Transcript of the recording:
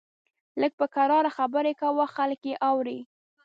لږ په کرار خبرې کوه، خلک يې اوري!